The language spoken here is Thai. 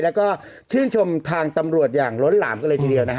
แล้วก็ชื่นชมทางตำรวจอย่างล้นหลามกันเลยทีเดียวนะฮะ